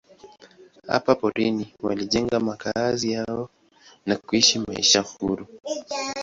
Hapa porini walijenga makazi yao na kuishi maisha huru.